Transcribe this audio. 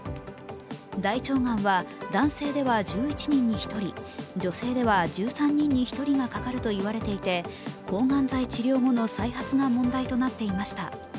大腸がんは、男性では１１人に１人、女性では１３人に１人がかかると言われていて抗がん剤治療後の再発が問題となっていました。